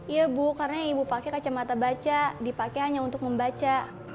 iya bu karena yang ibu pakai kacamata baca dipakai hanya untuk membaca